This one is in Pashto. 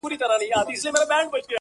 قاسم یار بایللی هوښ زاهد تسبې دي-